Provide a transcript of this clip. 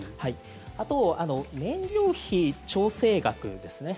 あと、燃料費調整額ですね。